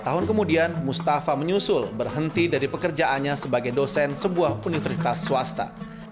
tahun kemudian mustafa menyusul berhenti dari pekerjaannya sebagai dosen sebuah universitas swasta